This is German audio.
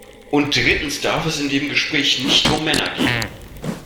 Und drittens darf es in dem Gespräch nicht um Männer gehen.